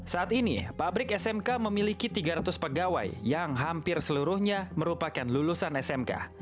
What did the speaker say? saat ini pabrik smk memiliki tiga ratus pegawai yang hampir seluruhnya merupakan lulusan smk